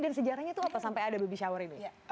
dan sejarahnya itu apa sampai ada baby shower ini